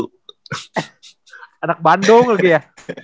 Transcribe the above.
anak bandung lagi ya